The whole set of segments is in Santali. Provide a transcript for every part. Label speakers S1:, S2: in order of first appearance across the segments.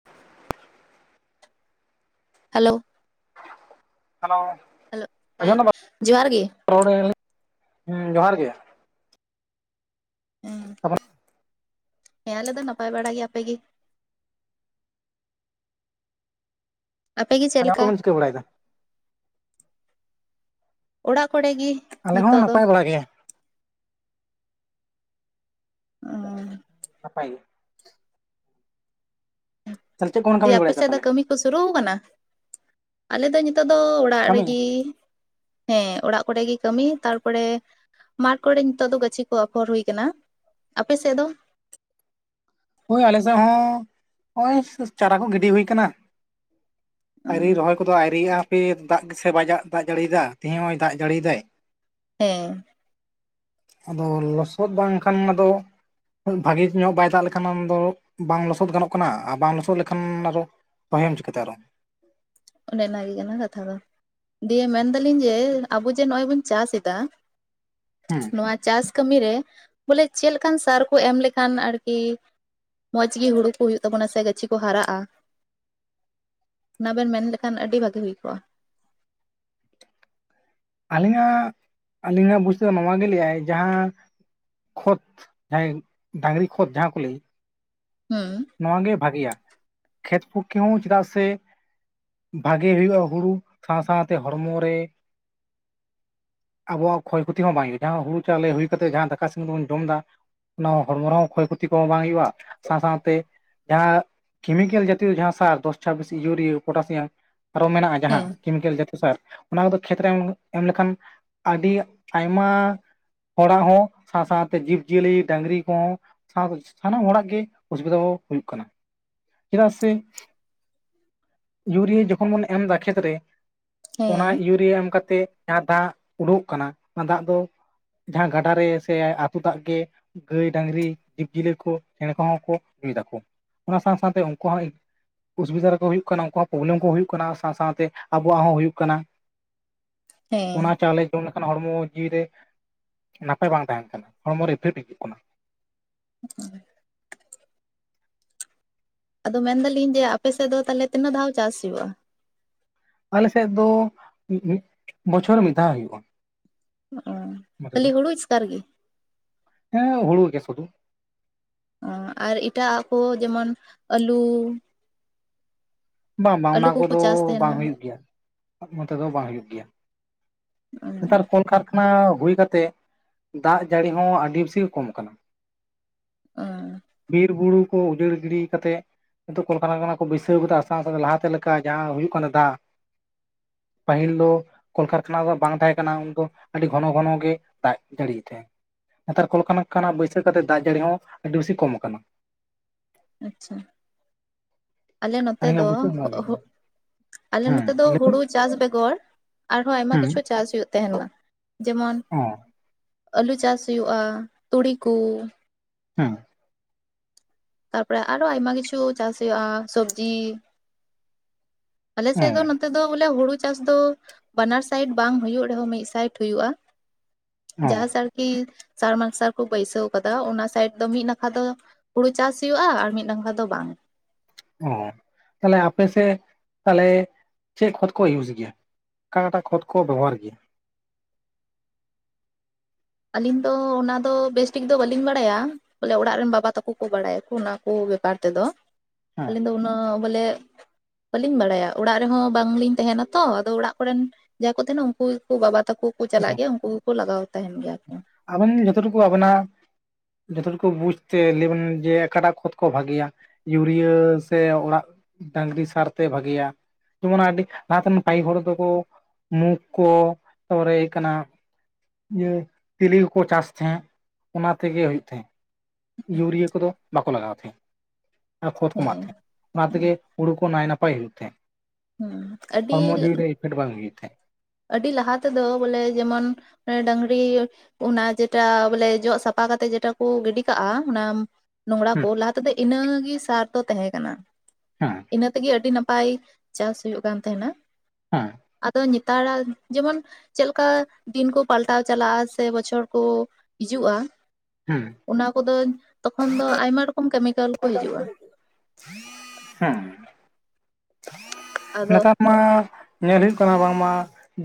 S1: [unintelligible]
S2: ᱦᱮᱞᱳ
S1: ᱦᱮᱞᱳ
S2: ᱦᱮᱞᱳ ᱦᱮᱸ
S1: ᱟᱸᱡᱚᱢ ᱫᱟᱢ
S2: ᱡᱚᱦᱟᱨ ᱜᱤ᱾
S1: [inaudible] ᱦᱮᱸ ᱡᱚᱦᱟᱨ ᱜᱮ᱾
S2: ᱦᱮᱸ
S1: [inaudible]
S2: ᱦᱮᱸ ᱟᱞᱮ ᱫᱚ ᱱᱟᱯᱟᱭ ᱵᱟᱲᱟ ᱜᱤ, ᱟᱯᱮ ᱜᱤ? ᱟᱯᱮᱜᱮ ᱪᱮᱫ
S1: [inaudible]
S2: ᱞᱮᱠᱟ
S1: ᱠᱚᱵᱮᱱ ᱪᱤᱠᱟᱹ ᱵᱟᱲᱟᱭ ᱫᱟ?
S2: ᱚᱲᱟᱜ ᱠᱚᱨᱮ ᱜᱤ᱾
S1: ᱟᱞᱮ ᱦᱚᱸ ᱱᱟᱯᱟᱭ ᱵᱟᱲᱟ ᱜᱮᱭᱟ᱾
S2: ᱚ
S1: ᱱᱟᱯᱟᱭ ᱜᱮ᱾ ᱛᱟᱦᱚᱞᱮ ᱪᱮᱫ ᱠᱚᱵᱚᱱ
S2: ᱫᱤᱭᱮ
S1: ᱠᱟᱹᱢᱤ
S2: ᱟᱯᱮ
S1: ᱵᱟᱲᱟᱭᱮᱫᱟ
S2: ᱥᱮᱫ ᱫᱚ
S1: ᱛᱟᱦᱚᱞᱮ
S2: ᱠᱟᱹᱢᱤ ᱠᱚ ᱥᱩᱨᱩ ᱟᱠᱟᱱᱟ? ᱟᱞᱮ ᱫᱚ ᱱᱤᱛᱚᱜ ᱫᱚ ᱚᱲᱟᱜ
S1: ᱠᱟᱹᱢᱤ
S2: ᱨᱮᱜᱤ ᱦᱮᱸ ᱚᱲᱟᱜ ᱠᱚᱨᱮ ᱜᱮ ᱠᱟᱹᱢᱤ ᱛᱟᱨᱯᱚᱨᱮ ᱢᱟᱴᱷ ᱠᱚᱨᱮ ᱱᱤᱛᱚᱜ ᱫᱚ ᱜᱟᱹᱪᱷᱤ ᱠᱚ ᱟᱯᱷᱚᱨ ᱦᱩᱭ ᱠᱟᱱᱟ᱾ ᱟᱯᱮ ᱥᱮᱫ ᱫᱚ?
S1: ᱦᱳᱭ ᱟᱞᱮ ᱥᱮᱫ ᱦᱚᱸ ᱱᱚᱜ-ᱚᱭ ᱪᱟᱨᱟ ᱠᱚ ᱜᱤᱰᱤ ᱦᱩᱭ ᱠᱟᱱᱟ᱾ ᱟᱹᱣᱨᱤ ᱨᱚᱦᱚᱭ ᱠᱚᱫᱚ ᱟᱹᱭᱨᱤᱭᱟᱜ-ᱟ᱾ ᱯᱮ ᱫᱟᱜ ᱜᱮ ᱥᱮ ᱵᱟᱭᱡᱟᱜ ᱫᱟᱜ ᱡᱟᱹᱲᱤᱭᱤᱭᱟᱫᱟ ᱛᱮᱦᱮᱧ ᱦᱚᱭ ᱫᱟᱜ ᱡᱟᱲᱤᱭᱫᱟᱭ᱾
S2: ᱦᱮᱸ
S1: ᱟᱫᱚ ᱞᱚᱥᱚᱫ ᱵᱟᱝᱠᱷᱟᱱ ᱟᱫᱚ ᱵᱷᱟᱜᱤ ᱧᱚᱜ ᱵᱟᱭ ᱫᱟᱜ ᱞᱮ ᱠᱷᱟᱱ ᱫᱚ ᱵᱟᱝ ᱞᱚᱥᱚᱫ ᱜᱟᱱᱚᱜ ᱠᱟᱱᱟ ᱟᱨ ᱵᱟᱝ ᱞᱚᱥᱚᱫ ᱞᱮᱠᱷᱟᱱ ᱟᱨᱚ ᱨᱚᱦᱚᱭᱟᱢ ᱪᱤᱠᱟᱹᱛᱮ ᱟᱨᱚ?
S2: ᱚᱱᱮ ᱚᱱᱟ ᱜᱤ ᱠᱟᱱᱟ ᱠᱟᱛᱷᱟ ᱫᱚ᱾ ᱫᱤᱭᱮ ᱢᱮᱱ ᱫᱟᱹᱞᱤᱧ ᱡᱮ ᱟᱵᱚ ᱡᱮ ᱱᱚᱜ-ᱚᱭ ᱵᱚᱱ ᱪᱟᱥ ᱮᱫᱟ
S1: ᱦᱮᱸ
S2: ᱱᱚᱣᱟ ᱪᱟᱥ ᱠᱟᱹᱢᱤ ᱨᱮ ᱵᱚᱞᱮ ᱪᱮᱫ ᱞᱮᱠᱟᱱ ᱥᱟᱨ ᱠᱚ ᱮᱢ ᱞᱮᱠᱷᱟᱱ ᱟᱨᱠᱤ ᱢᱚᱸᱡᱽ ᱜᱮ ᱦᱩᱲᱩ ᱠᱚ ᱦᱩᱭᱩᱜ ᱛᱟᱵᱚᱱᱟ ᱥᱮ ᱜᱟᱹᱪᱷᱤ ᱠᱚ ᱦᱟᱨᱟᱜ-ᱟ ᱚᱱᱟ ᱵᱮᱱ ᱢᱮᱱ ᱞᱮᱠᱷᱟᱱ ᱟᱹᱰᱤ ᱵᱷᱟᱹᱜᱤ ᱦᱩᱭ ᱠᱚᱜ-ᱟ?
S1: ᱟᱹᱞᱤᱧᱟᱜ ᱟᱹᱞᱤᱧᱟᱜ ᱵᱩᱡᱽ ᱛᱮᱫᱚ ᱱᱚᱣᱟ ᱜᱮ ᱞᱟᱹᱭᱟᱭ ᱡᱟᱦᱟᱸ ᱠᱷᱚᱛ ᱡᱟᱦᱟᱸᱭ ᱰᱟᱹᱝᱨᱤ ᱠᱷᱚᱛ ᱡᱟᱦᱟᱸ ᱠᱚ ᱞᱟᱹᱭ
S2: ᱦᱩᱸ
S1: ᱱᱚᱣᱟ ᱜᱮ ᱵᱷᱟᱜᱮᱭᱟ ᱠᱷᱮᱛ ᱯᱚᱠᱷᱤ ᱦᱚᱸ ᱪᱮᱫᱟᱜ ᱥᱮ ᱵᱷᱟᱜᱮ ᱦᱩᱭᱩᱜ-ᱟ, ᱦᱩᱲᱩ ᱥᱟᱶ ᱥᱟᱶᱛᱮ ᱦᱚᱲᱢᱚ ᱨᱮ ᱟᱵᱚᱣᱟᱜ ᱠᱷᱚᱭ ᱠᱷᱚᱛᱤ ᱦᱚᱸ ᱵᱟᱝ ᱦᱩᱭᱩᱜ-ᱟ ᱡᱟᱦᱟᱸ ᱦᱩᱲᱩ ᱪᱟᱣᱞᱮ ᱦᱩᱭ ᱠᱟᱛᱮ ᱡᱟᱦᱟᱸ ᱫᱟᱠᱟ ᱥᱚᱜᱮ ᱛᱮᱵᱚᱱ ᱡᱚᱢ ᱫᱟ ᱚᱱᱟ ᱦᱚᱲᱢᱚ ᱨᱮᱦᱚᱸ ᱠᱷᱚᱭ ᱠᱷᱚᱛᱤ ᱠᱚᱦᱚᱸ ᱵᱟᱝ ᱦᱩᱭᱩᱜ-ᱟ ᱥᱟᱶ ᱥᱟᱶᱛᱮ ᱡᱟᱦᱟᱸ ᱠᱮᱢᱤᱠᱮᱞ ᱡᱟᱛᱤᱭᱚ ᱡᱟᱦᱟᱸ ᱥᱟᱨ ᱫᱚᱥ ᱪᱷᱟᱵᱤᱥ ᱤᱭᱩᱨᱤᱭᱟᱹ ᱯᱚᱴᱟᱥᱤᱭᱟᱢ ᱟᱨᱚ ᱢᱮᱱᱟᱜ-ᱟ ᱡᱟᱦᱟᱸ
S2: ᱦᱮᱸ
S1: ᱠᱮᱢᱤᱠᱮᱞ ᱡᱟᱛᱮᱭᱚ ᱥᱟᱨ ᱚᱱᱟ ᱠᱚᱫᱚ ᱠᱷᱮᱛ ᱨᱮ ᱮᱢ ᱮᱢ ᱞᱮᱠᱷᱟᱱ ᱟᱹᱰᱤ ᱟᱭᱢᱟ ᱦᱚᱲᱟᱜ ᱦᱚᱸ ᱥᱟᱶ ᱥᱟᱶᱛᱮ ᱡᱤᱵᱽ-ᱡᱤᱭᱟᱹᱞᱤ ᱰᱟᱸᱝᱨᱤ ᱠᱚᱦᱚᱸ ᱥᱟᱶ ᱥᱟᱱᱟᱢ ᱦᱚᱲᱟᱜ ᱜᱮ ᱚᱥᱩᱵᱤᱫᱷᱟ ᱦᱚᱸ ᱦᱩᱭᱩᱜ ᱠᱟᱱᱟ ᱪᱮᱫᱟᱜ ᱥᱮ ᱤᱭᱩᱨᱤᱭᱟᱹ ᱡᱚᱠᱷᱚᱱ ᱵᱚᱱ ᱮᱢ ᱫᱟ ᱠᱷᱮᱛ ᱨᱮ ᱚᱱᱟ
S2: ᱦᱮᱸ
S1: ᱤᱭᱩᱨᱤᱭᱟᱹ ᱮᱢ ᱠᱟᱛᱮ ᱡᱟᱦᱟᱸ ᱛᱟᱦᱟᱸᱚᱰᱩᱠᱚ ᱠᱟᱱᱟ ᱚᱱᱟ ᱫᱟᱜ ᱫᱚ ᱡᱟᱦᱟᱸ ᱜᱟᱰᱟ ᱨᱮ ᱥᱮ ᱟᱹᱛᱩᱳ ᱫᱟᱜ ᱜᱮ ᱾ ᱜᱟᱹᱭ ᱰᱟᱝᱨᱤ ᱡᱤᱵᱽᱡᱤᱭᱟᱹᱞᱤ ᱠᱚ ᱪᱮᱬᱮ ᱠᱚᱦᱚᱸ ᱠᱚ ᱧᱩᱭ ᱫᱟᱠᱚ ᱚᱱᱟ ᱥᱟᱶ ᱥᱟᱶ ᱥᱟᱶᱛᱮ ᱩᱱᱠᱩ ᱦᱚᱸ ᱚᱥᱩᱵᱤᱫᱟ ᱨᱮᱠᱚ ᱦᱳᱭᱳᱜ ᱠᱟᱱᱟ ᱩᱱᱠᱩ ᱦᱚᱸ ᱯᱨᱚᱵᱽᱞᱮᱢ ᱠᱚ ᱦᱳᱭᱳᱜ ᱠᱟᱱᱟ ᱥᱟᱶ ᱥᱟᱶᱛᱮ ᱟᱵᱚᱣᱟᱜ ᱦᱚᱸ ᱦᱳ ᱠᱟᱱᱟ ᱾
S2: ᱦᱮᱸ
S1: ᱚᱱᱟ ᱪᱟᱣᱞᱮ ᱡᱚᱢ ᱞᱮᱠᱷᱟᱱ ᱦᱚᱲᱢᱚ ᱡᱤᱣᱤ ᱨᱮ ᱱᱟᱯᱟᱭ ᱵᱟᱝ ᱛᱟᱦᱮᱱ ᱠᱟᱱᱟ ᱦᱚᱲᱢᱚ ᱨᱮ ᱤᱯᱷᱮᱴ ᱦᱤᱡᱩᱜ ᱠᱟᱱᱟ ᱾
S2: ᱦᱮᱸ ᱟᱫᱚ ᱢᱮᱱ ᱫᱟᱞᱤᱧ ᱡᱮ ᱟᱯᱮᱥᱮᱫ ᱫᱚ ᱛᱟᱦᱚᱞᱮ ᱛᱤᱱᱟᱹᱜ ᱫᱷᱟᱣ ᱪᱟᱥ ᱦᱩᱭᱩᱜᱼᱟ?
S1: ᱟᱞᱮᱥᱮᱫ ᱫᱚ ᱵᱚᱪᱷᱚᱨ ᱨᱮ ᱢᱤᱫ ᱫᱷᱟᱣ ᱦᱩᱭᱩᱜᱼᱟ ᱾
S2: ᱚᱸ ᱠᱷᱟᱹᱞᱤ ᱦᱩᱲᱩ ᱮᱥᱠᱟᱨ ᱜᱮ?
S1: ᱦᱮᱸ ᱦᱩᱲᱩ ᱜᱮᱭᱟ ᱥᱩᱫᱩ ᱾
S2: ᱚᱸ ᱟᱨ ᱮᱴᱟᱜᱼᱟ ᱠᱚ ᱡᱮᱢᱚᱱ ᱟᱹᱞᱩ?
S1: ᱵᱟᱝ ᱵᱟᱝ
S2: ᱟᱹᱞᱩ
S1: ᱚᱱᱟ
S2: ᱠᱚᱠᱚ
S1: ᱠᱚᱫᱚ
S2: ᱪᱟᱥ
S1: ᱵᱟᱝ
S2: ᱛᱟᱦᱮᱱᱟ
S1: ᱦᱩᱭᱩᱜ ᱜᱮᱭᱟ ᱱᱚᱛᱮ ᱫᱚ ᱵᱟᱝ ᱦᱩᱭᱩᱜ ᱜᱮᱭᱟ ᱱᱮᱛᱟᱨ ᱠᱚᱞᱠᱟᱨᱠᱷᱟᱱᱟ ᱦᱩᱭ ᱠᱟᱛᱮᱜ ᱫᱟᱜ ᱡᱟᱹᱲᱤ ᱦᱚᱸ ᱟᱹᱰᱤ ᱵᱮᱥᱤ ᱜᱮ ᱠᱚᱢ ᱟᱠᱟᱱᱟ ᱾
S2: ᱚᱸ
S1: ᱵᱤᱨ ᱵᱩᱨᱩ ᱠᱚ ᱩᱡᱟᱹᱲ ᱜᱤᱰᱤ ᱠᱟᱛᱮᱫ ᱱᱤᱛᱩᱜ ᱠᱚᱞᱠᱷᱟᱱᱟ ᱠᱚ ᱵᱟᱹᱭᱥᱟᱹᱣ ᱠᱮᱫᱟ ᱟᱨ ᱥᱟᱶ ᱥᱟᱶᱛᱮ ᱞᱟᱦᱟᱛᱮ ᱞᱮᱠᱟ ᱡᱟᱦᱟᱸ ᱦᱩᱭᱩᱜ ᱠᱟᱱᱟ ᱫᱟᱜ ᱯᱟᱹᱦᱤᱞ ᱫᱚ ᱠᱚᱞᱠᱷᱟᱨᱟᱱᱟ ᱫᱚ ᱵᱟᱝ ᱛᱟᱦᱮᱸ ᱠᱟᱱᱟ ᱩᱱ ᱫᱚ ᱟᱹᱰᱤ ᱜᱷᱚᱱᱚ ᱜᱷᱚᱱᱚᱜ ᱜᱮ ᱫᱟᱜ ᱡᱟᱹᱲᱤᱭᱮᱫ ᱛᱟᱦᱮᱸ ᱾ ᱱᱮᱛᱟᱨ ᱠᱚᱞᱠᱷᱟᱱᱟ ᱵᱟᱹᱭᱥᱟᱹ ᱠᱟᱛᱮᱫ ᱫᱟᱜ ᱡᱟᱹᱲᱤ ᱦᱚᱸ ᱟᱹᱰᱤ ᱵᱮᱥᱤ ᱠᱚᱢ ᱟᱠᱟᱱᱟ ᱾
S2: ᱟᱪᱪᱷᱟ ᱟᱞᱮ ᱱᱚᱛᱮ
S1: ᱟᱹᱞᱤᱧᱟᱜ
S2: ᱫᱚᱚ
S1: ᱵᱩᱡᱷᱟᱹᱣ ᱱᱚᱣᱟ ᱜᱮ
S2: ᱦᱳᱜ ᱟᱞᱮ
S1: ᱦᱮᱸ
S2: ᱱᱚᱛᱮ ᱫᱚ
S1: ᱞᱟᱹᱭ ᱵᱮᱱ
S2: ᱦᱩᱲᱩ ᱪᱟᱥ ᱵᱮᱜᱚᱨ ᱟᱨᱦᱚᱸ ᱟᱭᱢᱟ
S1: ᱦᱮᱸ
S2: ᱠᱤᱪᱷᱩ ᱪᱟᱥ ᱦᱩᱭᱩᱜ ᱛᱟᱦᱮᱸᱱᱟ ᱡᱮᱢᱚᱱᱼ
S1: ᱚ
S2: ᱟᱹᱞᱩ ᱪᱟᱥ ᱦᱩᱭᱩᱜ-ᱟ ᱛᱩᱲᱤ ᱠᱩ᱾
S1: ᱦᱩᱸ
S2: ᱛᱟᱨᱯᱚᱨᱮ ᱟᱨᱚ ᱟᱭᱢᱟ ᱠᱤᱪᱷᱩ ᱪᱟᱥ ᱦᱩᱭᱩᱜ-ᱟ ᱥᱚᱵᱡᱤ ᱟᱞᱮ ᱥᱮᱫ ᱫᱚ ᱱᱚ
S1: ᱚ
S2: ᱛᱮᱫᱚ ᱵᱚᱞᱮ ᱦᱩᱲᱩ ᱪᱟᱥ ᱫᱚ ᱵᱟᱱᱟᱨ ᱥᱟᱭᱤᱰ ᱵᱟᱝ ᱦᱭᱳᱜ ᱨᱮᱦᱚᱸ ᱢᱤᱫ ᱥᱟᱭᱤᱰ ᱦᱳᱭᱳᱜ-ᱟ᱾
S1: ᱚ
S2: ᱡᱟᱦᱟᱸ ᱥᱟᱨᱠᱤ ᱥᱟᱨᱢᱥᱟᱨᱠᱩ ᱵᱟᱹᱭᱥᱟᱹᱣ ᱟᱠᱟᱫᱟ ᱚᱱᱟ ᱥᱟᱭᱤᱰ ᱫᱚ ᱢᱤᱫ ᱱᱟᱠᱷᱟ ᱫᱚ ᱦᱩᱲᱩ ᱪᱟᱥ ᱟᱨ ᱢᱤᱫ ᱱᱟᱠᱷᱟ ᱫᱚ ᱵᱟᱝ᱾
S1: ᱚ ᱛᱟᱦᱚᱞᱮ ᱟᱯᱮ ᱥᱮᱫ ᱛᱟᱦᱚᱞᱮ ᱪᱮᱫ ᱠᱷᱚᱛ ᱠᱚ ᱤᱭᱩᱡᱽ ᱜᱮᱭᱟ? ᱚᱠᱟ ᱮᱴᱟᱜ ᱠᱷᱚᱛ ᱠᱚ ᱵᱮᱵᱚᱦᱟᱨ ᱜᱮᱭᱟ?
S2: ᱟᱹᱞᱤᱧ ᱫᱚ ᱚᱱᱟᱫᱚ ᱵᱮᱥᱴᱷᱤᱠ ᱫᱚ ᱵᱟᱹᱞᱤᱧ ᱵᱟᱲᱟᱭᱟ᱾ ᱵᱚᱞᱮ ᱚᱲᱟᱜ ᱨᱮᱱ ᱵᱟᱵᱟ ᱛᱟᱠᱚ ᱠᱚ ᱵᱟᱲᱟᱭᱟᱠᱚ ᱚᱱᱟ ᱠᱚ ᱵᱮᱯᱟᱨ ᱛᱮᱫᱚ ᱟᱹᱞᱤᱧ ᱫᱚ ᱩᱱᱟᱹᱜ ᱵᱚᱞᱮ ᱵᱟᱹᱞᱤᱧ ᱵᱟᱲᱟᱭᱟ ᱚᱲᱟᱜ ᱨᱮᱦᱚᱸ ᱵᱟᱝᱞᱤᱧ ᱛᱟᱦᱮᱱᱟ ᱛᱚ ᱟᱫᱚ ᱚᱲᱟᱜ ᱠᱚᱨᱮᱱ ᱡᱟᱦᱟᱸ ᱠᱚ ᱛᱟᱦᱮᱱᱟ ᱩᱱᱠᱩ ᱜᱮᱠᱚ ᱵᱟᱵᱟ ᱛᱟᱠᱚ ᱠᱚ ᱪᱟᱞᱟᱜ
S1: ᱦᱮᱸ
S2: ᱜᱮᱭᱟ ᱩᱱᱠᱩ ᱜᱮᱠᱚ ᱞᱟᱜᱟᱣ ᱛᱟᱦᱮᱱ ᱜᱮᱭᱟ᱾ ᱠᱚ
S1: ᱟᱵᱮᱱ ᱡᱚᱛᱚᱴᱩᱠᱩ ᱟᱵᱮᱱᱟᱜ ᱡᱷᱚᱛᱚ ᱦᱚᱲ ᱠᱚ ᱱᱤᱡᱮᱛᱮ ᱞᱮᱱ ᱡᱮ ᱟᱠᱟᱴᱟᱜ ᱠᱷᱚᱛ ᱠᱚ ᱵᱷᱟᱜᱮᱭᱟ? ᱤᱭᱩᱨᱤᱭᱟᱹ ᱥᱮ ᱚᱲᱟᱜ ᱰᱟᱝᱨᱤ ᱥᱟᱨᱛᱮ ᱵᱷᱟᱜᱤᱭᱟ? ᱡᱮᱢᱚᱱ ᱟᱹᱰᱤ ᱞᱟᱦᱟᱛᱮᱱ ᱯᱟᱦᱤᱞ ᱦᱚᱲ ᱫᱚᱠᱚ ᱢᱩᱠᱷ ᱠᱚ ᱛᱟᱯᱚᱨᱮ ᱦᱩᱭᱩᱜ ᱠᱟᱱᱟ ᱤᱭᱟᱹ ᱛᱮᱤᱞᱤ ᱠᱚᱠᱚ ᱪᱟᱥ ᱛᱟᱦᱮᱸᱫ ᱚᱱᱟ ᱛᱮᱜᱮ ᱦᱩᱭᱩᱜ ᱛᱟᱦᱮᱸᱫ᱾ ᱤᱭᱩᱨᱤᱭᱟᱹ ᱠᱚᱫᱚ ᱵᱟᱠᱚ ᱞᱟᱜᱟᱣ ᱛᱟᱦᱮᱸᱫ ᱟᱨ ᱠᱷᱚᱛ ᱠᱚ
S2: ᱦᱮᱸ
S1: ᱮᱢᱟᱜ
S2: ᱦᱮᱸ
S1: ᱛᱟᱦᱮᱸᱜ ᱚᱱᱟ ᱛᱮᱜᱮ ᱦᱩᱲᱩ ᱠᱚ ᱱᱟᱭ ᱱᱟᱯᱟᱭ ᱦᱩᱭᱩᱜ ᱛᱟᱦᱮᱸᱜ᱾
S2: ᱟᱹᱰᱤ
S1: ᱦᱚᱲᱢᱚ ᱡᱤᱣᱤ ᱨᱮ ᱤᱯᱷᱮᱠᱴ ᱵᱟᱝ ᱦᱩᱭᱟᱭ ᱛᱟᱦᱮᱫ᱾
S2: ᱟᱹᱰᱤ ᱞᱟᱦᱟ ᱛᱮᱫᱚ ᱵᱚᱞᱮ ᱡᱮᱢᱚᱱᱚᱱ ᱰᱟᱝᱨᱤ ᱚᱱᱟ ᱡᱮᱴᱟ ᱵᱚᱞᱮ ᱡᱚᱜ ᱥᱟᱯᱷᱟ ᱠᱟᱛᱮ ᱡᱮᱴᱟ ᱠᱚ ᱜᱤᱰᱤ ᱠᱟᱜ-ᱟ ᱚᱱᱟ ᱱᱚᱝᱨᱟ ᱠᱚ ᱞᱟᱦᱟ ᱛᱮᱫᱚ ᱤᱱᱟᱹᱜᱮ ᱥᱟᱨ ᱫᱚ ᱛᱟᱦᱮᱸ ᱠᱟᱱᱟ,
S1: ᱦᱮᱸ ᱦᱮᱸ
S2: ᱤᱱᱟᱹ ᱛᱮᱜᱮ ᱟᱹᱰᱤ ᱱᱟᱯᱟᱭ ᱪᱟᱥ ᱦᱩᱭᱩᱜ ᱠᱟᱱ ᱛᱟᱦᱮᱱᱟ᱾
S1: ᱦᱚᱸ᱾
S2: ᱟᱫᱚ ᱧᱮᱛᱟᱨᱟᱜ ᱡᱮᱢᱚᱱ ᱪᱮᱫᱞᱮᱠᱟ ᱫᱤᱱ ᱠᱚ ᱯᱟᱞᱴᱟᱣ ᱪᱟᱞᱟᱜ-ᱟ ᱥᱮ ᱵᱚᱪᱷᱚᱨ ᱠᱚ ᱦᱤᱡᱩᱜ-ᱟ᱾
S1: ᱦᱩᱸ᱾
S2: ᱚᱱᱟ ᱠᱚᱫᱚ ᱛᱚᱠᱷᱚᱱ ᱫᱚ ᱟᱭᱢᱟ ᱨᱚᱠᱚᱢ ᱠᱟᱹᱢᱤ
S1: ᱦᱮᱸ
S2: ᱟᱫᱚ
S1: ᱱᱮᱛᱟᱨ ᱢᱟ ᱧᱮᱞ ᱦᱩᱭᱩᱜ ᱠᱟᱱᱟ ᱵᱟᱝᱢᱟ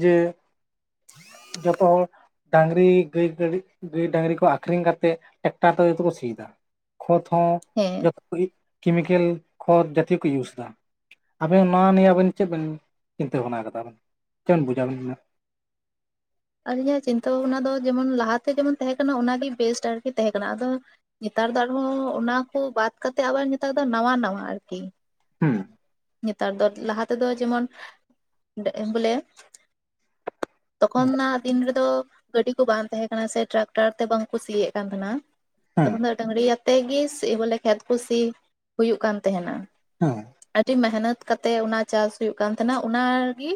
S1: ᱡᱮ ᱡᱚᱛᱚ ᱦᱚᱲ ᱰᱟᱝᱨᱤ ᱜᱟᱹᱭ ᱜᱟᱲᱤᱜ ᱜᱟᱹᱭ ᱰᱟᱝᱨᱤ ᱠᱚ ᱟᱠᱷᱨᱤᱧ ᱠᱟᱛᱮᱫ ᱴᱮᱠᱴᱟᱨ ᱛᱮ ᱡᱚᱛᱚ ᱠᱚ ᱥᱤ ᱮᱫᱟ᱾ ᱠᱷᱚᱛ ᱦᱚᱸ
S2: ᱦᱮᱸ᱾
S1: ᱠᱮᱢᱤᱠᱮᱞ ᱠᱷᱚᱛ ᱡᱟᱛᱤᱭᱚᱠᱚ ᱤᱭᱩᱥ ᱮᱫᱟ᱾ ᱟᱵᱮᱱ ᱱᱚᱣᱟ ᱱᱤᱭᱟᱹ ᱟᱵᱤᱱ ᱪᱮᱫ ᱵᱤᱱ ᱪᱤᱱᱛᱟᱹ ᱵᱷᱟᱵᱱᱟ ᱟᱠᱟᱫᱟᱵᱤᱱ, ᱪᱮᱫ ᱵᱮᱱ ᱵᱩᱡᱟ ᱟᱵᱮᱱᱟ ᱫᱚ ᱱᱚᱣᱟ?
S2: ᱟᱨᱞᱤᱧᱟᱹᱜ ᱪᱤᱱᱛᱟᱹ ᱵᱷᱟᱵᱱᱟ ᱫᱚ ᱡᱮᱢᱚᱱ ᱞᱟᱦᱟᱛᱮ ᱡᱮᱢᱚᱱ ᱛᱟᱦᱮᱸ ᱠᱟᱱᱟ ᱚᱱᱟᱜᱮ ᱵᱮᱥᱴ ᱟᱨᱠᱤ ᱛᱟᱦᱮᱸ ᱠᱟᱱᱟ ᱟᱫᱚ ᱧᱮᱛᱟᱨ ᱫᱚ ᱟᱨᱦᱚᱸ ᱚᱱᱟ ᱠᱚ ᱵᱟᱫ ᱠᱟᱛᱮᱫ ᱟᱵᱟᱨ ᱱᱮᱛᱟᱨ ᱫᱚ ᱱᱟᱣᱟ ᱱᱟᱣᱟ ᱟᱨᱠᱤ᱾
S1: ᱦᱩᱸ᱾
S2: ᱱᱮᱛᱟᱨ ᱫᱚ ᱞᱟᱦᱟ ᱛᱮᱫᱚ ᱡᱮᱢᱚᱱ ᱵᱚᱞᱮ ᱛᱚᱠᱷᱚᱱᱱᱟᱜ ᱫᱤᱱ ᱨᱮᱫᱚ ᱜᱟᱹᱰᱤ ᱠᱚ ᱵᱟᱝ ᱛᱟᱦᱮᱸ ᱠᱟᱱᱟ ᱥᱮ ᱴᱨᱟᱠᱴᱟᱨ ᱛᱮ ᱵᱟᱝᱠᱚ ᱥᱤᱭᱮᱫ ᱠᱟᱱ ᱛᱟᱦᱮᱸᱱᱟ᱾
S1: ᱦᱩᱸ
S2: ᱛᱚᱠᱷᱚᱱ ᱫᱚ ᱰᱟᱹᱲᱤᱭᱟᱛᱮ ᱜᱮ ᱥᱤ ᱵᱚᱞᱮ ᱠᱷᱮᱛ ᱠᱩ ᱥᱤ ᱦᱩᱭᱩᱜ ᱠᱟᱱ ᱛᱟᱦᱮᱱᱟ᱾
S1: ᱦᱩᱸ
S2: ᱟᱹᱰᱤ ᱢᱮᱦᱱᱚᱛ ᱠᱟᱛᱮᱫ ᱚᱱᱟ ᱪᱟᱥ ᱦᱩᱭᱩᱜ ᱠᱟᱱ ᱛᱟᱦᱮᱸᱱᱟ ᱚᱱᱟᱨᱮᱜᱤ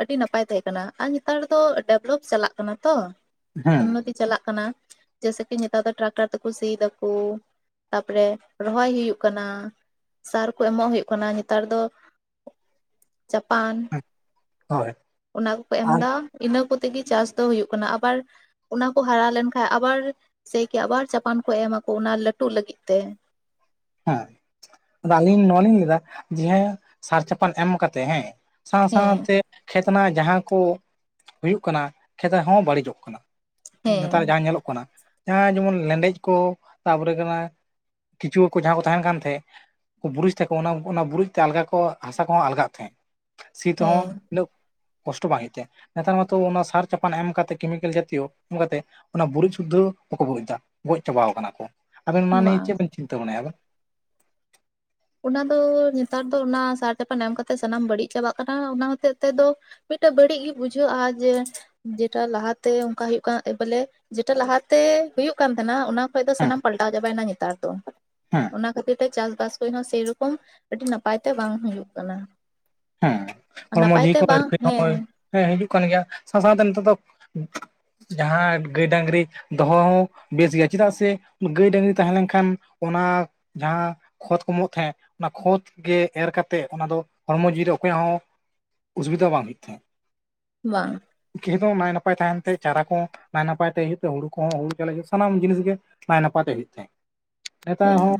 S2: ᱟᱹᱰᱤ ᱱᱟᱯᱟᱭ ᱛᱟᱦᱮᱸ ᱠᱟᱱᱟ ᱟᱨ ᱱᱮᱛᱟᱨ ᱫᱚ ᱰᱮᱵᱷᱞᱚᱯ ᱪᱟᱞᱟᱜ ᱠᱟᱱᱟ ᱛᱚ᱾ ᱩᱱᱱᱚᱛᱤ ᱪᱟᱞᱟᱜ ᱠᱟᱱᱟ ᱡᱮᱭᱥᱮ ᱠᱤ ᱱᱮᱛᱟᱨ ᱫᱚ ᱴᱨᱟᱠᱴᱟᱨ ᱛᱮᱠᱚ ᱥᱤᱭ ᱫᱟᱠᱳ᱾ ᱛᱟᱨᱯᱚᱨᱮ ᱨᱚᱦᱚᱭ ᱦᱩᱭᱩᱜ ᱠᱟᱱᱟ, ᱥᱟᱨ ᱠᱚ ᱮᱢᱚᱜ ᱦᱩᱭᱩᱜ ᱠᱟᱱᱟ᱾ ᱱᱮᱛᱟᱨ ᱫᱚ ᱪᱟᱯᱟᱱ
S1: ᱦᱩᱸ ᱦᱳᱭ
S2: ᱚᱱᱟ ᱠᱚᱠᱚ
S1: ᱟᱨ
S2: ᱮᱢᱫᱟ ᱤᱱᱟᱹ ᱠᱚᱛ ᱛᱮᱜᱮ ᱪᱟᱥ ᱫᱚ ᱦᱩᱭᱩᱜ ᱠᱟᱱᱟ ᱟᱵᱟᱨ ᱚᱱᱟ ᱠᱚ ᱦᱟᱨᱟ ᱞᱮᱱᱠᱷᱟᱱ ᱟᱵᱟᱨ ᱥᱮᱠᱤ ᱟᱵᱟᱨ ᱪᱟᱯᱟᱱ ᱠᱚ ᱮᱢᱟᱠᱚ ᱚᱱᱟ ᱞᱟᱹᱴᱩᱜ ᱞᱟᱹᱜᱤᱫ ᱛᱮ᱾
S1: ᱦᱮᱸ ᱟᱫᱚ ᱟᱹᱞᱤᱧ ᱱᱚᱣᱟ ᱞᱤᱧ ᱞᱟᱹᱭᱫᱟ ᱡᱮ ᱦᱮᱸ ᱥᱟᱨ ᱪᱟᱯᱟᱱ ᱮᱢ ᱠᱟᱛᱮᱜ ᱦᱮᱸ ᱥᱟᱶ
S2: ᱦᱮᱸ
S1: ᱥᱟᱶᱛᱮ ᱠᱷᱮᱛ ᱨᱮᱱᱟᱜ ᱡᱟᱦᱟᱸ ᱠᱚ ᱦᱩᱭᱩᱜ ᱠᱟᱱᱟ ᱠᱷᱮᱛ ᱦᱚᱸ ᱵᱟᱹᱲᱤᱡᱚᱜ ᱠᱟᱱᱟ᱾
S2: ᱦᱮᱸ
S1: ᱱᱮᱛᱟᱨ ᱡᱟᱦᱟᱸ ᱧᱮᱞᱚᱜ ᱠᱟᱱᱟ ᱡᱟᱦᱟᱸ ᱡᱮᱢᱚᱱ ᱞᱮᱸᱰᱮᱡ ᱠᱚ ᱛᱟᱯᱚᱨᱮ ᱠᱟᱱᱟ ᱠᱤᱪᱩᱭᱟᱹ ᱠᱩ ᱡᱟᱦᱟᱸ ᱠᱚ ᱛᱟᱦᱮᱱ ᱠᱟᱱᱛᱟᱦᱮᱸᱜ ᱠᱩ ᱰᱩᱨᱤᱡ ᱛᱷᱟᱠᱚ ᱚᱱᱟ ᱚᱱᱟ ᱰᱩᱨᱩᱡ ᱛᱮ ᱟᱞᱜᱟ ᱠᱚ ᱦᱟᱥᱟ ᱠᱚᱦᱚᱸ ᱟᱞᱜᱟᱜ ᱛᱟᱦᱮᱸᱜ᱾ ᱥᱤ ᱛᱮᱦᱚᱸ
S2: ᱦᱮᱸ
S1: ᱩᱱᱟᱹᱜ ᱠᱚᱥᱴᱚ ᱵᱟᱝ ᱦᱩᱭᱩᱜ ᱛᱟᱭᱟ᱾ ᱱᱮᱛᱟᱨ ᱢᱟᱛᱚ ᱚᱱᱟ ᱥᱟᱨ ᱪᱟᱯᱟᱱ ᱮᱢ ᱠᱟᱛᱮ ᱠᱮᱢᱤᱠᱮᱞ ᱡᱟᱛᱤᱭᱚ ᱮᱢ ᱠᱟᱛᱮ ᱚᱱᱟ ᱰᱩᱨᱩᱡ ᱥᱩᱫᱽᱫᱷᱚ ᱵᱟᱠᱚ ᱰᱩᱨᱤᱡ ᱫᱟ, ᱜᱚᱡ ᱪᱟᱵᱟᱣ ᱠᱟᱱᱟ ᱠᱚ᱾ ᱟᱵᱮᱱ ᱚᱱᱟ ᱱᱤᱭᱮ
S2: ᱵᱟᱝ
S1: ᱪᱮᱫ ᱵᱮᱱ ᱪᱤᱱᱛᱟᱹ ᱵᱷᱟᱱᱟᱭᱟ ᱟᱵᱮᱱ?
S2: ᱚᱱᱟ ᱫᱚ ᱱᱮᱛᱟᱨ ᱫᱚ ᱚᱱᱟ ᱥᱟᱨ ᱪᱟᱯᱟᱱ ᱮᱢ ᱠᱟᱛᱮᱜ ᱥᱟᱱᱟᱢ ᱵᱟᱹᱲᱤᱡ ᱪᱟᱵᱟᱜ ᱠᱟᱱᱟ ᱚᱱᱟ ᱦᱚᱛᱮᱡ ᱛᱮᱫᱚ ᱢᱤᱫᱴᱮᱡ ᱵᱟᱹᱲᱤᱡ ᱜᱮ ᱵᱩᱡᱷᱟᱹᱜᱼᱟ ᱡᱮ ᱡᱮᱴᱟ ᱞᱟᱦᱟᱛᱮ ᱚᱱᱠᱟ ᱦᱩᱭᱩᱜᱭ ᱠᱟᱱᱮ ᱯᱟᱞᱮ ᱡᱮᱴᱟ ᱞᱟᱦᱟᱛᱮ ᱦᱩᱭᱩᱜ ᱠᱟᱱ ᱛᱟᱦᱮᱸᱱᱟ ᱚᱱᱟ ᱠᱷᱚᱡ ᱫᱚ
S1: ᱦᱮᱸ
S2: ᱥᱟᱱᱟᱢ ᱯᱟᱞᱴᱟᱣ ᱪᱟᱵᱟᱭᱮᱱᱟ ᱱᱮᱛᱟᱨ ᱫᱚ᱾
S1: ᱦᱮᱸ
S2: ᱚᱱᱟ ᱠᱷᱟᱹᱛᱤᱨ ᱛᱮ ᱪᱟᱥᱵᱟᱥ [unintelligible] ᱥᱮᱨᱚᱠᱚᱢ ᱟᱹᱰᱤ ᱱᱟᱯᱟᱭ ᱛᱮ ᱵᱟᱝ ᱦᱩᱭᱩᱜ ᱠᱟᱱᱟ᱾
S1: ᱦᱮᱸ ᱦᱚᱲᱢᱚ
S2: ᱱᱟᱯᱟᱭ
S1: ᱡᱤᱣᱤ
S2: ᱛᱮ
S1: ᱠᱚ ᱦᱚᱭ
S2: ᱵᱟᱝ ᱦᱮᱸ
S1: [unintelligible] ᱦᱮᱸ ᱦᱤᱡᱩᱜ ᱠᱟᱱ ᱜᱮᱭᱟ ᱥᱟᱶ ᱥᱟᱶᱛᱮ ᱱᱤᱛᱚᱜ ᱫᱚ ᱡᱟᱦᱟᱸ ᱜᱟᱹᱭ ᱰᱟᱝᱨᱤ ᱫᱚᱦᱚ ᱦᱚᱸ ᱵᱮᱥ ᱜᱮᱭᱟ ᱪᱮᱫᱟᱜ ᱥᱮ ᱜᱟᱹᱭ ᱰᱟᱝᱨᱤ ᱛᱟᱦᱮᱸ ᱞᱮᱱᱠᱷᱟᱱ ᱚᱱᱟ ᱡᱟᱦᱟᱸ ᱠᱷᱚᱛ ᱠᱚ ᱮᱢᱚᱜ ᱛᱟᱦᱮᱸᱫ ᱚᱱᱟ ᱠᱷᱚᱛ ᱜᱮ ᱮᱨ ᱠᱟᱛᱮᱫ ᱚᱱᱟ ᱫᱚ ᱦᱚᱲᱢᱚ ᱡᱤᱣᱤ ᱡᱮ ᱚᱠᱚᱭᱟᱜ ᱦᱚᱸ ᱚᱥᱩᱵᱤᱫᱷᱟ ᱵᱟᱝ ᱦᱩᱭᱩᱜ ᱛᱟᱦᱮᱸᱫ᱾
S2: ᱵᱟᱝ᱾
S1: ᱠᱷᱮᱫᱚ ᱱᱟᱭ ᱱᱟᱯᱟᱭ ᱛᱟᱦᱮᱱ ᱛᱮ ᱪᱟᱨᱟ ᱠᱚᱦ ᱱᱟᱭ ᱱᱟᱯᱟᱭ ᱛᱮ ᱦᱩᱭᱩᱜ ᱛᱮ ᱠᱚᱦᱚᱸ ᱦᱩᱲᱩ ᱪᱟᱣᱞᱮ ᱦᱩᱭᱩᱜ ᱥᱟᱱᱟᱢ ᱡᱤᱱᱤᱥᱜ ᱜᱮ, ᱱᱟᱭ ᱱᱟᱯᱛᱮ ᱦᱩᱭᱩᱜ ᱛᱟᱦᱮᱸ᱾ ᱱᱮᱛᱟᱨ
S2: ᱦᱮᱸ
S1: ᱦᱚᱸ,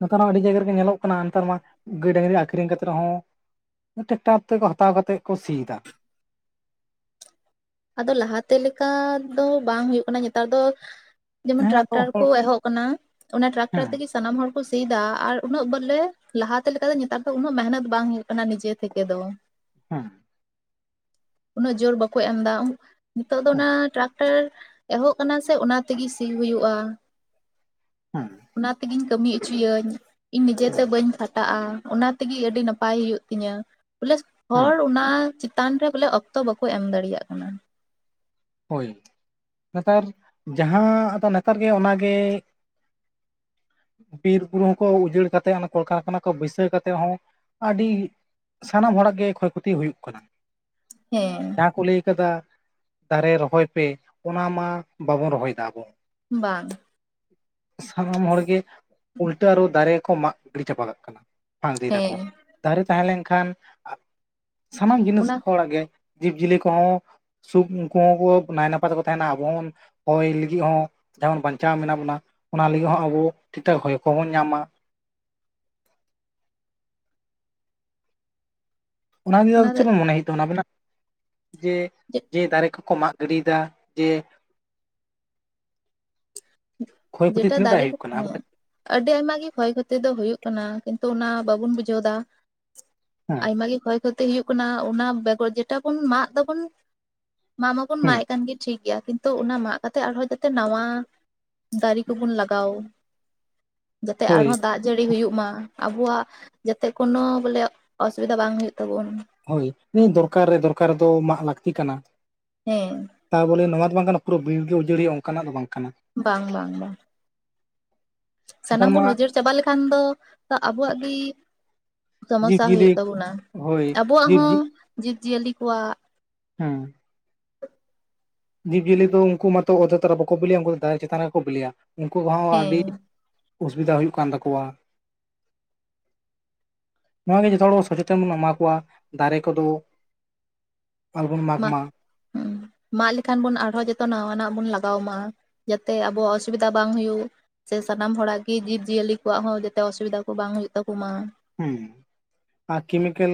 S1: ᱱᱮᱛᱟᱨ ᱦᱚᱸ ᱟᱹᱰᱤ ᱡᱟᱭᱜᱟ ᱨᱮᱜᱮ ᱧᱮᱞᱚᱜ ᱠᱟᱱᱟ ᱱᱮᱛᱟᱨ ᱢᱟ ᱜᱟᱹᱭ ᱰᱟᱝᱨᱤ ᱟᱠᱷᱨᱤᱧ ᱠᱟᱛᱮ ᱨᱮᱦᱚᱸ ᱴᱨᱟᱠᱴᱚᱨ ᱛᱮᱠᱚ ᱦᱟᱛᱟᱣ ᱠᱟᱛᱮᱫ ᱠᱚ ᱥᱤᱭᱮᱫᱟ᱾
S2: ᱟᱫᱚ ᱞᱟᱦᱟᱛᱮ ᱞᱮᱠᱟ ᱫᱚ ᱵᱟᱝ ᱦᱳᱜᱳᱜ ᱠᱟᱱᱟ ᱱᱮᱛᱟᱨ ᱫᱚ ᱡᱮᱢᱚᱱ
S1: ᱦᱮᱸ ᱟᱫᱚ
S2: ᱴᱨᱟᱠᱴᱟᱨ ᱠᱚ
S1: ᱦᱚᱲ
S2: ᱮᱦᱚᱵ ᱠᱟᱱᱟ ᱚᱱᱟ ᱴᱨᱟᱠᱴᱟᱨ
S1: ᱦᱮᱸ
S2: ᱛᱮᱜᱮ ᱥᱟᱱᱟᱢ ᱦᱚᱲᱠᱚ ᱥᱤᱫᱟ ᱟᱨ ᱩᱱᱟᱹᱜ ᱵᱚᱞᱮ ᱞᱟᱦᱟᱛᱮ ᱞᱮᱠᱟ ᱫᱚ ᱱᱮᱛᱟᱨ ᱫᱚ ᱩᱱᱟᱹᱜ ᱢᱮᱦᱚᱱᱚᱛ ᱵᱟᱝ ᱦᱳᱭᱳᱜ ᱠᱟᱱᱟ᱾ ᱠᱟᱱᱟ ᱱᱤᱡᱮ ᱛᱷᱮᱠᱮ ᱫᱚ᱾
S1: ᱦᱮᱸ,
S2: ᱩᱱᱟᱹᱜ ᱡᱳᱨ ᱵᱟᱠᱚ ᱮᱢᱫᱟ ᱱᱤᱛᱳᱜ ᱫᱚ
S1: ᱦᱮᱸ
S2: ᱚᱱᱟ ᱴᱨᱟᱠ [unintelligible] ᱮᱦᱚᱵ ᱠᱟᱱᱟ ᱥᱮ ᱚᱱᱟ ᱛᱮᱜᱮ ᱥᱤ ᱦᱩᱭᱩᱜᱼᱟ
S1: ᱦᱮᱸ
S2: ᱚᱱᱟ ᱛᱮᱜᱮᱧ ᱠᱟᱹᱢᱤ ᱦᱚᱪᱚᱭᱟᱹᱧ ᱤᱧ ᱱᱤᱡᱮᱛᱮ ᱵᱟᱹᱧ ᱠᱷᱟᱴᱟᱜᱼᱟ ᱚᱱᱟ ᱛᱮᱜᱮ ᱟᱹᱰᱤ ᱱᱟᱯᱟᱭ ᱦᱩᱭᱩᱜ ᱛᱤᱧᱟᱹ᱾ ᱵᱚᱞᱮ
S1: ᱦᱮᱸ
S2: ᱦᱚᱲ ᱚᱱᱟ ᱪᱮᱛᱟᱱᱨᱮ ᱵᱚᱞᱮ ᱚᱠᱛᱚ ᱵᱟᱠᱚ ᱮᱢ ᱫᱟᱲᱮᱭᱟᱜ ᱠᱟᱱᱟ᱾
S1: ᱦᱳᱭ ᱱᱮᱛᱟᱨ ᱡᱟᱦᱟᱸ ᱟᱫᱚ ᱱᱮᱛᱟᱨ ᱜᱮ ᱚᱱᱟᱜᱮ ᱵᱤᱨ ᱵᱩᱨᱩ ᱦᱚᱸᱠᱚ ᱩᱡᱟᱹᱲ ᱠᱟᱛᱮ ᱠᱚᱞᱠᱟᱨᱠᱷᱟᱱᱟ ᱠᱚ ᱵᱟᱹᱭᱥᱟᱹᱣ ᱠᱟᱛᱮᱫ ᱦᱚᱸ, ᱟᱹᱰᱤ ᱥᱟᱱᱟᱢ ᱦᱚᱲᱟᱜ ᱜᱮ ᱠᱷᱚᱭ ᱠᱷᱚᱛᱤ ᱦᱩᱭᱩᱜ ᱠᱟᱱᱟ᱾
S2: ᱦᱮᱸ,
S1: ᱡᱟᱦᱟᱸ ᱠᱚ ᱞᱟᱹᱭ ᱠᱟᱫᱟ ᱫᱟᱨᱮ ᱨᱚᱦᱚᱭ ᱯᱮ ᱚᱱᱟ ᱢᱟ ᱵᱟᱵᱚᱱ ᱨᱚᱦᱚᱭ ᱫᱟ ᱟᱵᱚ᱾
S2: ᱵᱟᱝ᱾
S1: ᱥᱟᱱᱟᱢ ᱦᱚᱲᱜᱮ ᱩᱞᱴᱟᱹ ᱟᱹᱨᱩ ᱫᱟᱨᱮ ᱠᱚ ᱢᱟᱜ ᱜᱤᱲᱤ ᱪᱟᱯᱟᱠᱟᱜ ᱠᱟᱱᱟ᱾ ᱵᱟᱝ ᱤᱫᱤᱭ ᱫᱟᱠᱚ
S2: ᱦᱮᱸ
S1: ᱫᱟᱨᱮ ᱛᱟᱦᱮᱸ ᱞᱮᱱᱠᱷᱟᱱ ᱥᱟᱱᱟᱢ ᱡᱤᱱᱤᱥ
S2: ᱚᱱᱟ
S1: ᱦᱚᱲᱟᱜ ᱜᱮ ᱡᱤᱵ ᱡᱤᱭᱟᱹᱞᱤ ᱠᱚᱦᱚᱸ ᱥᱩᱠ ᱩᱱᱠᱩ ᱦᱚᱸ ᱠᱚ ᱱᱟᱭ ᱱᱟᱯᱟᱭ ᱛᱟᱦᱮᱱᱟ ᱟᱵᱚ ᱦᱚ ᱦᱚᱭ ᱞᱟᱹᱜᱤᱫ ᱦᱚᱸ ᱡᱮᱢᱚᱱ ᱵᱟᱧᱪᱟᱣ ᱢᱮᱱᱟᱜ ᱵᱚᱱᱟ ᱚᱱᱟ ᱞᱟᱹᱜᱤᱫ ᱦᱚᱸ ᱟᱵᱚ ᱴᱤᱠ-ᱴᱟᱠ ᱦᱚᱭ ᱠᱚᱵᱚᱱ ᱧᱟᱢᱟ᱾ ᱚᱱᱟ ᱱᱤᱭᱮ ᱫᱚ ᱪᱮᱫᱚᱱ ᱢᱚᱱᱮ ᱦᱩᱭᱩᱜ ᱛᱟᱰᱮᱱᱟ ᱟᱵᱤᱱᱟᱜ ᱡᱮ ᱡᱮ ᱫᱟᱨᱮ ᱠᱚᱠᱚ ᱢᱟᱜ ᱜᱤᱰᱤᱭ ᱫᱟ ᱡᱮ ᱠᱷᱚᱭ ᱠᱷᱚᱛᱤ
S2: ᱡᱮᱴᱟ
S1: ᱛᱤᱱᱟᱹᱜ ᱴᱟᱜ
S2: ᱫᱟᱨᱮ ᱠᱚ
S1: ᱦᱩᱭᱩᱜ ᱠᱟᱱᱟ?
S2: ᱦᱮᱸ ᱟᱹᱰᱤ ᱟᱭᱢᱟ ᱜᱮ ᱠᱷᱚᱭ ᱠᱷᱚᱛᱤ ᱫᱚ ᱦᱩᱭᱩᱜ ᱠᱟᱱᱟ ᱠᱤᱱᱛᱩ ᱚᱱᱟ ᱵᱟᱵᱚᱱ ᱵᱩᱡᱷᱟᱹᱣᱫᱟ᱾
S1: ᱦᱮᱸ
S2: ᱟᱭᱢᱟ ᱜᱮ ᱠᱷᱚᱭ ᱠᱷᱚᱛᱤ ᱦᱩᱭᱩᱜ ᱠᱟᱱᱟ ᱚᱱᱟ ᱵᱮᱜᱚᱨ ᱡᱮᱴᱟ ᱵᱚᱱ ᱢᱟᱜ ᱫᱟᱵᱚᱱ ᱢᱟ ᱢᱟᱵᱚᱱ
S1: ᱦᱮᱸ
S2: ᱢᱟᱜᱮᱜ ᱠᱟᱱᱜᱮ ᱴᱷᱤᱠᱜᱮᱭᱟ ᱠᱤᱱᱛᱩ ᱚᱱᱟ ᱢᱟᱜ ᱠᱟᱛᱮᱜ ᱟᱨᱦᱚᱸ ᱡᱟᱛᱮ ᱱᱟᱣᱭᱟ ᱫᱟᱨᱮ ᱠᱚᱵᱚᱱ ᱞᱟᱜᱟᱣ ᱡᱟᱛᱮ
S1: ᱦᱳᱭ
S2: ᱟᱨᱦᱚᱸ ᱫᱟᱜ ᱡᱟᱹᱲᱤ ᱦᱩᱭᱩᱜ ᱢᱟ ᱟᱵᱚᱣᱟᱜ ᱡᱟᱛᱮ ᱠᱳᱱᱚ ᱵᱚᱞᱮ ᱚᱥᱩᱵᱤᱫᱷᱟ ᱵᱟᱝ ᱦᱩᱭᱩᱜ ᱛᱟᱵᱚᱱ᱾
S1: ᱦᱳᱭ ᱫᱚᱨᱠᱟᱨ ᱨᱮ ᱫᱚᱨᱠᱟᱨ ᱨᱮᱫᱚ ᱢᱟᱜ ᱞᱟᱹᱠᱛᱤ ᱠᱟᱱᱟ᱾
S2: ᱦᱮᱸ,
S1: ᱛᱟ ᱵᱚᱞᱮ ᱱᱚᱣᱟ ᱫᱚ ᱵᱟᱝ ᱠᱟᱱᱟ ᱯᱩᱨᱟᱹ ᱵᱤᱨ ᱜᱮ ᱩᱡᱟᱹᱲ ᱦᱩᱭᱩᱜ-ᱟ ᱚᱱᱠᱟᱱᱟᱜ ᱫᱚ ᱵᱟᱝ ᱠᱟᱱᱟ᱾
S2: ᱵᱟᱝ ᱵᱟᱝ ᱵᱟᱝ᱾ ᱥᱟᱱᱟᱢ
S1: ᱱᱮᱛᱟᱨ ᱢᱟ
S2: ᱵᱚᱱ ᱩᱡᱟᱹᱲ ᱪᱟᱵᱟ ᱞᱮᱠᱷᱟᱱ ᱫᱚ ᱟᱵᱚᱣᱟᱜ ᱜᱮ ᱥᱚᱢᱚᱥᱟ
S1: ᱡᱤᱵᱽᱼᱡᱤᱭᱟᱹᱞᱤ
S2: ᱦᱩᱭᱩᱜ ᱛᱟᱵᱚᱱᱟ
S1: ᱦᱳᱭ
S2: ᱟᱵᱚᱣᱟᱜ
S1: ᱡᱤᱵᱽ
S2: ᱦᱚᱸ
S1: ᱡᱤ
S2: ᱡᱤᱵᱽ ᱡᱤᱭᱟᱹᱞᱤ ᱠᱚᱣᱟᱜ
S1: ᱦᱮᱸ, ᱡᱤᱵᱽᱡᱤᱭᱟᱹᱞᱤ ᱫᱚ ᱩᱱᱠᱩ ᱢᱟᱛᱚ ᱚᱛ ᱞᱟᱛᱟᱨ ᱨᱮᱢᱟ ᱵᱟᱠᱚ ᱵᱤᱞᱤᱭᱟ ᱩᱱᱠᱩ ᱫᱚ ᱫᱟᱨᱮ ᱪᱮᱛᱟᱱ ᱨᱮᱠᱚ ᱵᱤᱞᱤᱭᱟ ᱩᱱᱠᱩ ᱦᱚᱸ
S2: ᱦᱮᱸ
S1: ᱟᱹᱰᱤ ᱚᱥᱩᱵᱤᱫᱟ ᱦᱩᱭᱩᱜ ᱠᱟᱱ ᱛᱟᱠᱚᱣᱟ᱾ ᱱᱚᱣᱟ ᱜᱮ ᱡᱚᱛᱚ ᱦᱚᱲ ᱥᱚᱪᱮᱛᱚᱱ ᱵᱚᱱ ᱮᱢᱟ ᱠᱚᱣᱟ ᱫᱟᱨᱮ ᱠᱚᱫᱚ ᱟᱞᱚ ᱵᱚᱱ ᱢᱟᱜ ᱢᱟ᱾
S2: ᱦᱮᱸ ᱢᱟᱜ ᱞᱮᱠᱷᱟᱱ ᱵᱚᱱ ᱟᱨᱦᱚᱸ ᱡᱚᱛᱚ ᱱᱟᱶᱟᱱᱟᱜ ᱵᱚᱱ ᱞᱟᱜᱟᱣᱢᱟ᱾ ᱡᱟᱛᱮ ᱟᱵᱚᱣᱟᱜ ᱚᱥᱩᱵᱤᱫᱟ ᱵᱟᱝ ᱦᱩᱭᱩᱜ᱾ ᱥᱮ ᱥᱟᱱᱟᱢ ᱦᱚᱲᱟᱜ ᱜᱮ ᱡᱤᱵᱽᱡᱤᱭᱟᱹᱞᱤ ᱠᱚᱣᱟᱜ ᱦᱚᱸ ᱡᱟᱛᱮ ᱚᱥᱩᱵᱤᱫᱷᱟ ᱠᱚ ᱵᱟᱝ ᱦᱩᱭᱩᱜ ᱛᱟᱠᱚ ᱢᱟ᱾
S1: ᱦᱮᱸ, ᱟᱨ ᱠᱮᱢᱤᱠᱮᱞ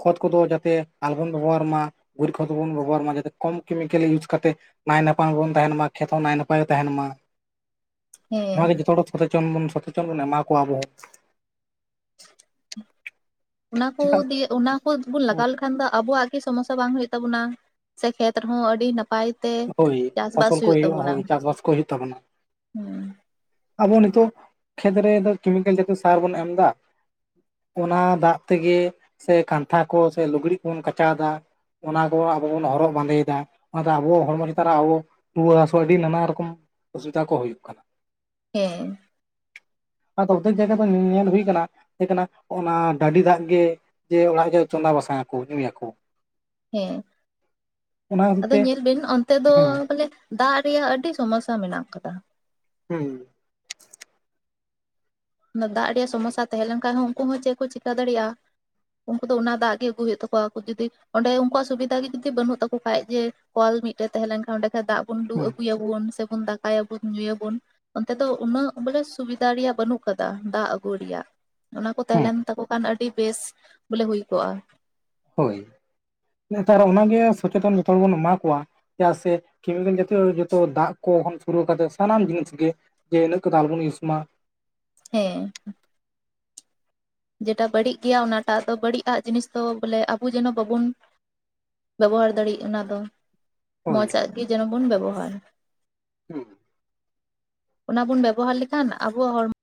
S1: ᱠᱷᱚᱛ ᱠᱚᱫᱚ ᱡᱟᱛᱮ ᱟᱞᱚ ᱵᱚᱱ ᱵᱮᱵᱚᱦᱟᱨ ᱢᱟ, ᱜᱩᱨᱤᱡ ᱠᱷᱚᱛ ᱠᱚᱵᱚᱱ ᱵᱮᱵᱚᱦᱟᱨ ᱢᱟ ᱾ᱡᱟᱛᱮ ᱠᱚᱢ ᱠᱮᱢᱤᱠᱮᱞ ᱤᱭᱩᱡᱽ ᱠᱟᱛᱮ ᱱᱟᱭᱱᱟᱯᱟᱭ ᱜᱮᱵᱚᱱ ᱛᱟᱦᱮᱱ ᱢᱟ, ᱠᱷᱮᱛ ᱦᱚᱸ ᱱᱟᱭ ᱱᱟᱯᱟᱭ ᱜᱮ ᱛᱟᱦᱮᱱ ᱢᱟ᱾
S2: ᱦᱮᱸ
S1: ᱱᱚᱣᱟ ᱜᱮ ᱡᱚᱛᱚ ᱦᱚᱲ ᱥᱚᱛᱮᱪᱚᱱ ᱵᱚᱱ ᱥᱚᱪᱮᱛᱚᱱ ᱵᱚᱱ ᱮᱢᱟ ᱠᱚᱣᱟ ᱟᱵᱚ ᱦᱚᱸ᱾
S2: ᱚᱱᱟ ᱠᱚ
S1: ᱪᱮᱫᱟᱜ
S2: ᱫᱤᱭᱮ ᱚᱱᱟ ᱵᱟᱹᱫᱽ ᱵᱩᱱ ᱞᱟᱜᱟᱣ ᱞᱮᱠᱷᱟᱱ ᱫᱚ ᱟᱵᱚᱣᱟᱜ ᱜᱮ ᱥᱚᱢᱚᱥᱟ ᱵᱟᱝ ᱦᱩᱭᱩᱜ ᱛᱟᱵᱚᱱᱟ, ᱥᱮ ᱠᱷᱮᱛ ᱨᱮᱦᱚᱸ ᱟᱹᱰᱤ ᱱᱟᱯᱟᱭ ᱛᱮ
S1: ᱦᱳᱭ,
S2: ᱪᱟᱥᱵᱟᱥ
S1: ᱯᱷᱚᱥᱚᱞ ᱠᱚ
S2: ᱦᱩᱭᱩᱜ
S1: ᱦᱩᱭᱩᱜ-ᱟ᱾
S2: ᱛᱟᱵᱚᱱᱟ
S1: ᱦᱳᱭ, ᱪᱟᱥ-ᱵᱟᱥ ᱠᱚ ᱦᱩᱭᱩᱜ ᱛᱟᱵᱚᱱᱟ᱾
S2: ᱦᱩᱸ
S1: ᱟᱵᱚ ᱱᱤᱛᱚᱜ ᱠᱷᱮᱛ ᱨᱮᱫᱚ ᱠᱮᱢᱤᱠᱮᱞ ᱡᱟᱛᱤᱭᱚ ᱥᱟᱨ ᱵᱚᱱ ᱮᱢᱫᱟ᱾ ᱚᱱᱟ ᱫᱟᱜ ᱛᱮᱜᱮ ᱥᱮ ᱠᱟᱱᱛᱷᱟ ᱠᱚ ᱥᱮ ᱞᱩᱜᱽᱲᱤᱡ ᱠᱚᱵᱚᱱ ᱠᱟᱪᱟᱣ ᱫᱟ᱾ ᱚᱱᱟ ᱠᱚ ᱟᱵᱚ ᱵᱚᱱ ᱦᱚᱨᱚᱜ ᱵᱟᱸᱫᱮᱭᱮᱫᱟ, ᱚᱱᱟᱛᱮ ᱟᱵᱚ ᱦᱚᱲᱢᱚ ᱪᱮᱛᱟᱱ ᱨᱮ ᱟᱵᱚ ᱨᱩᱣᱟᱹ ᱦᱟᱹᱥᱩ ᱟᱹᱰᱤ ᱱᱟᱱᱟ ᱨᱚᱠᱚᱢ ᱚᱥᱩᱵᱤᱫᱟ ᱠᱚ ᱦᱩᱭᱩᱜ ᱠᱟᱱᱟ᱾
S2: ᱦᱮᱸ᱾
S1: ᱟᱨ ᱚᱫᱽᱫᱷᱮᱠ ᱡᱟᱭᱜᱟ ᱫᱚ ᱧᱮᱞ ᱦᱩᱭ ᱟᱠᱟᱱᱟ, ᱦᱮᱸ, ᱚᱱᱟ ᱰᱟᱹᱰᱤ ᱫᱟᱜ ᱜᱮ ᱡᱮ, ᱚᱲᱟᱜ ᱨᱮ ᱜᱮ ᱪᱚᱸᱫᱟ ᱵᱟᱥᱟᱝ ᱟᱠᱚ ᱧᱩᱭ ᱟᱠᱚ᱾
S2: ᱦᱮᱸ,
S1: ᱚᱱᱟ ᱠᱷᱟᱹᱛᱤᱨ
S2: ᱟᱫᱚ
S1: ᱛᱮ
S2: ᱧᱮᱞ ᱵᱤᱱ ᱚᱱᱛᱮ ᱫᱚ
S1: ᱦᱮᱸ
S2: ᱵᱚᱞᱮ ᱫᱟᱜ ᱨᱮᱭᱟᱜ ᱟᱹᱰᱤ ᱥᱚᱢᱚᱥᱥᱟ ᱢᱮᱱᱟᱜ ᱟᱠᱟᱫᱟ᱾
S1: ᱦᱩᱸ᱾
S2: ᱫᱟᱜ ᱨᱮᱭᱟᱜ ᱥᱚᱢᱚᱥᱥᱟ ᱛᱟᱦᱮᱸ ᱞᱮᱱ ᱠᱷᱟᱱ ᱦᱚᱸ, ᱩᱱᱠᱩ ᱦᱚᱸ ᱪᱮᱫ ᱠᱚ ᱪᱤᱠᱟᱹ ᱫᱟᱲᱮᱭᱟᱜ-ᱟ? ᱩᱱᱠᱩ ᱫᱚ ᱚᱱᱟ ᱫᱟᱜ ᱜᱮ ᱟᱹᱜᱩ ᱦᱩᱭᱩᱜ ᱛᱟᱠᱚᱣᱟ ᱾ ᱟᱠᱚ ᱡᱩᱫᱤ ᱚᱸᱰᱮ ᱩᱱᱠᱩᱣᱟᱜ ᱥᱩᱵᱤᱫᱷᱟ ᱜᱮ ᱡᱩᱫᱤ ᱵᱟᱹᱱᱩᱜ ᱛᱟᱠᱚ ᱠᱷᱟᱡᱮ ᱡᱮ, ᱠᱚᱞ ᱢᱤᱫᱴᱮᱡ ᱛᱟᱦᱮᱸ ᱞᱮᱱ ᱠᱷᱟᱱ ᱚᱸᱰᱮ ᱠᱷᱚᱡ ᱫᱟᱜ ᱵᱚᱱ ᱞᱩ
S1: ᱦᱮᱸ
S2: ᱟᱹᱜᱩᱭᱟᱵᱚᱱ ᱥᱮᱵᱚᱱ, ᱥᱮ ᱫᱟᱠᱟᱭᱟᱵᱚᱱ ᱧᱩᱭᱟᱵᱚᱱ ᱚᱱᱛᱮ ᱫᱚ ᱩᱱᱟᱹᱜ ᱵᱚᱞᱮ ᱥᱩᱵᱤᱫᱷᱟ ᱨᱮᱭᱟᱜ ᱵᱟᱹᱱᱩᱜ ᱠᱟᱫᱟ, ᱫᱟᱜ ᱟᱹᱜᱩ ᱨᱮᱭᱟᱜ᱾ ᱚᱱᱟ ᱠᱚ ᱛᱟᱦᱮᱸ
S1: ᱦᱮᱸ
S2: ᱞᱮᱱ ᱛᱟᱠᱚ ᱠᱷᱟᱱ ᱟᱹᱰᱤ ᱵᱮᱥ ᱵᱚᱞᱮ ᱦᱩᱭ ᱠᱚᱜ-ᱟ᱾
S1: ᱦᱳᱭ, ᱱᱮᱛᱟᱨ ᱚᱱᱟ ᱜᱮ ᱥᱚᱪᱮᱛᱚᱱ ᱡᱚᱛᱚ ᱦᱚᱲ ᱵᱚᱱ ᱮᱢᱟ ᱠᱚᱣᱟ᱾ ᱪᱮᱫᱟᱜ ᱥᱮ ᱠᱮᱢᱤᱠᱮᱞ ᱡᱟᱛᱤᱭᱚ ᱡᱷᱚᱛᱚ ᱫᱟᱜ ᱠᱚ ᱥᱩᱨᱩ ᱠᱟᱛᱮ ᱥᱟᱱᱟᱢ ᱡᱤᱱᱤᱥ ᱜᱮ ᱡᱮ, ᱤᱱᱟᱹᱜ ᱠᱚᱫᱚ ᱟᱞᱵᱚᱱ ᱤᱭᱩᱥ ᱢᱟ᱾
S2: ᱦᱮᱸ᱾ ᱡᱮᱴᱟ ᱵᱟᱹᱲᱤᱡ ᱜᱮᱭᱟ ᱚᱱᱟᱴᱟᱜ ᱫᱚ ᱵᱟᱹᱲᱤᱡ ᱟᱜ ᱡᱤᱱᱤᱥ ᱫᱚ ᱵᱚᱞᱮ ᱟᱵᱚ ᱡᱮᱱᱚ ᱵᱟᱵᱩᱱ ᱵᱮᱵᱚᱦᱟᱨ ᱫᱟᱲᱮᱜ ᱚᱱᱟ ᱫᱚ, ᱢᱚᱡᱽ
S1: ᱦᱳᱭ
S2: ᱟᱜ ᱜᱮ ᱡᱮᱱᱚ ᱵᱚᱱ ᱵᱮᱵᱚᱦᱟᱨ᱾
S1: ᱦᱩᱸ᱾
S2: ᱚᱱᱟ ᱵᱮᱵᱚᱦᱟᱨ ᱞᱮᱠᱷᱟᱱ ᱟᱵᱚᱣᱟᱜ ᱦᱚᱲᱢᱚ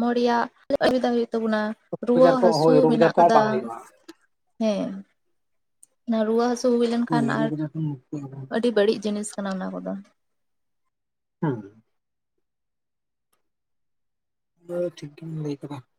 S2: ᱢᱚ ᱨᱮᱭᱟᱜ ᱚᱥᱩᱵᱤᱫᱷᱟ ᱦᱩᱭᱩᱜ ᱛᱟᱵᱚᱱᱟ, ᱨᱩᱣᱟᱹ
S1: ᱵᱟᱡᱟᱨ ᱠᱚ
S2: ᱦᱟᱹᱥᱩ
S1: ᱦᱳᱭ ᱨᱳᱜᱽ
S2: ᱢᱮᱱᱟᱜ
S1: ᱟᱡᱟᱨ ᱠᱚᱦᱚᱸ
S2: ᱟᱠᱟᱫᱟ᱾
S1: ᱵᱟᱝ ᱦᱩᱭᱩᱜᱼᱟ
S2: ᱦᱮᱸ ᱾ ᱚᱱᱟ ᱨᱩᱣᱟᱹ ᱦᱟᱹᱟᱥᱩ ᱦᱩᱭ ᱞᱮᱱ
S1: ᱦᱳᱭ
S2: ᱠᱷᱟᱱ ᱟᱨ
S1: ᱨᱳᱜᱽ ᱟᱡᱟᱨ ᱠᱷᱚᱱ ᱢᱩᱠᱛᱤᱜ ᱟᱵᱚᱱ
S2: ᱟᱹᱰᱤ ᱵᱟᱹᱲᱤᱡ ᱡᱤᱱᱤᱥ ᱠᱟᱱᱟ ᱚᱱᱟ ᱠᱚᱫᱚ᱾
S1: ᱦᱩᱸ᱾ ᱵᱟ ᱴᱷᱤᱠ ᱜᱮᱢ ᱞᱟᱹᱭ ᱠᱟᱫᱟ ᱾